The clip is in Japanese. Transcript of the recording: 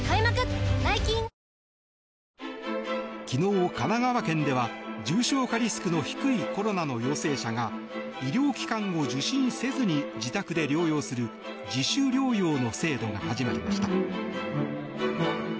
昨日、神奈川県では重症化リスクの低いコロナの陽性者が医療機関を受診せずに自宅で療養する自主療養の制度が始まりました。